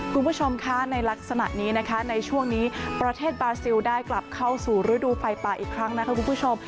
คุณผู้ชมคะในลักษณะนี้นะคะในช่วงนี้ประเทศบาซิลได้กลับเข้าสู่ฤดูไฟป่าอีกครั้งนะคะคุณผู้ชม